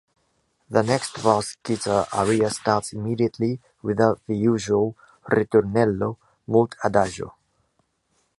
The next bass guitar aria starts immediately, without the usual :ritornello”, “molt adagio”.